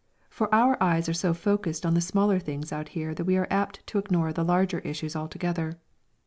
For our eyes are so focused on the smaller things out here that we are apt to ignore the larger issues altogether.